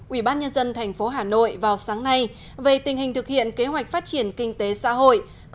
ubnd tp hà nội vào sáng nay về tình hình thực hiện kế hoạch phát triển kinh tế xã hội